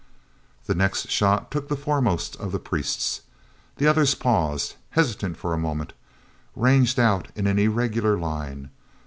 The next shot took the foremost of the priests. The others paused, hesitant for a moment, ranged out in an irregular line.